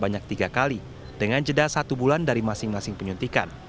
sebanyak tiga kali dengan jeda satu bulan dari masing masing penyuntikan